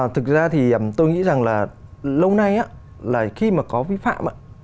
thực ra thì tôi nghĩ rằng là lâu nay là khi mà có vi phạm